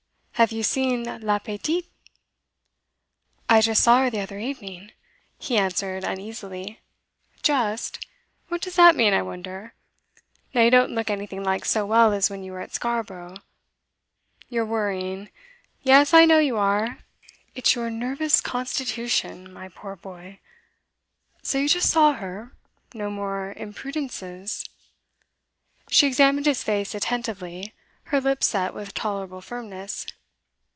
Have you seen la petite?' 'I just saw her the other evening,' he answered uneasily. 'Just? What does that mean, I wonder? Now you don't look anything like so well as when you were at Scarborough. You're worrying; yes, I know you are. It's your nervous constitution, my poor boy. So you just saw her? No more imprudences?' She examined his face attentively, her lips set with tolerable firmness.